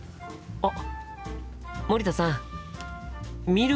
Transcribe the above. あっ。